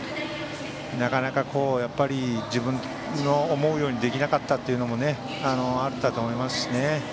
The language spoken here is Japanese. なかなか自分の思うようにできなかったというのもあったと思いますしね。